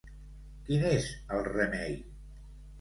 Quin és el remei?